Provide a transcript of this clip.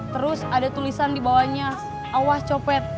terus ada tulisan dibawahnya awas copet